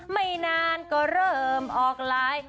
ไม่นานก็เริ่มออกไลน์